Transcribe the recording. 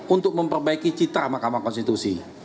untuk memperbaiki citra mahkamah konstitusi